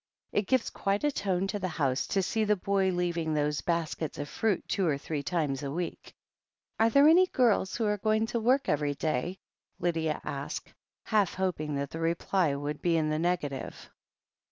It gives quite a tone to the house to see the boy leaving those baskets of fruit two or three times a week." "Are there any girls who are going to work every day?" Lydia asked, half hoping that the reply would be in the negative.